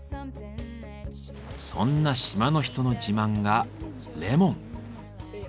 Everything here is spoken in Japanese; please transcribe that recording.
そんな島の人の自慢がレモン。